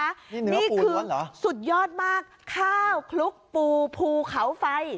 นี่เนื้อปูล้วนเหรอนี่คือสุดยอดมากข้าวคลุกปูภูเขาไฟ